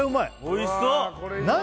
おいしそう何？